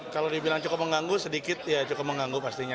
kalau dibilang cukup mengganggu sedikit ya cukup mengganggu pastinya